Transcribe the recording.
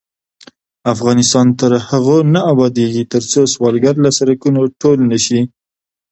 افغانستان تر هغو نه ابادیږي، ترڅو سوالګر له سړکونو ټول نشي.